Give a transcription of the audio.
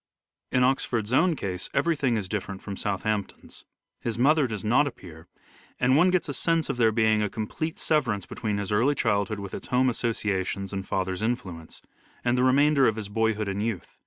In Oxford's own case everything is different from Oxford at Southampton's. His mother does not appear, and one Court gets a sense of there being a complete severance between his early childhood with its home associations and father's influence, and the remainder of his boyhood and youth.